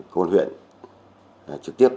công an huyện trực tiếp